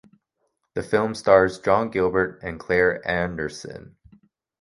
The film stars John Gilbert and Claire Anderson.